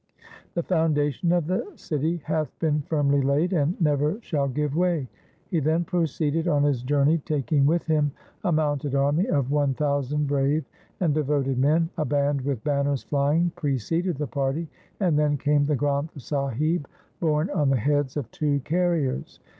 The foundation of the city hath been firmly laid, and never shall give way.' He then proceeded on his journey, taking with him a mounted army of one thousand brave and devoted men. A band with banners flying preceded the party, and then came the Granth Sahib borne on the heads of two carriers.